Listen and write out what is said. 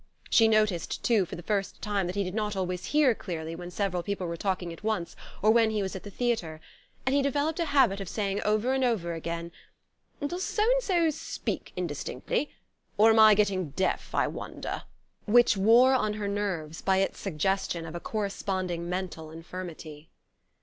She noticed too, for the first time, that he did not always hear clearly when several people were talking at once, or when he was at the theatre; and he developed a habit of saying over and over again: "Does so and so speak indistinctly? Or am I getting deaf, I wonder?" which wore on her nerves by its suggestion of a corresponding mental infirmity.